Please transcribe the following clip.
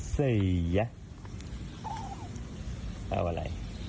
เมื่อเมื่อ